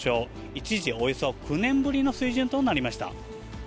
一時、およそ９年ぶりの水準となりました。